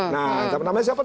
nah namanya siapa